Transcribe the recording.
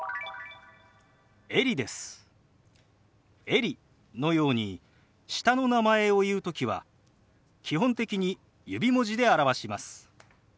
「エリ」のように下の名前を言う時は基本的に指文字で表します。